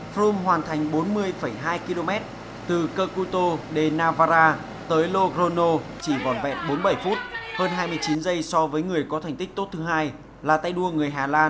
froum hoàn thành bốn mươi hai km từ kakuto de navara tới logrono chỉ vòn vẹn bốn mươi bảy phút hơn hai mươi chín giây so với người có thành tích tốt thứ hai là tay đua người hà lan